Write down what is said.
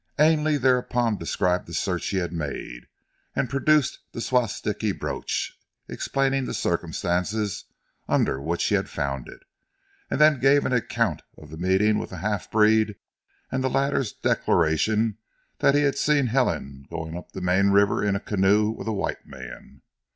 Ainley thereupon described the search he had made, and produced the swastiki brooch, explaining the circumstances under which he had found it, and then gave an account of the meeting with the half breed and of the latter's declaration that he had seen Helen going up the main river in a canoe with a white man.